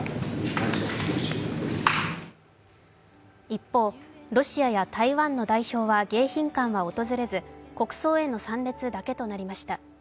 一方、ロシアや台湾の代表は迎賓館は訪れず国葬への参列だけとなりました。